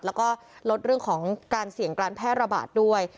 แล้วก็ลดเรื่องของการเสี่ยงการแพร่ระบาดด้วย